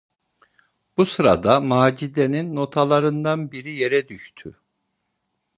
Bu sırada Macide’nin notalarından biri yere düştü.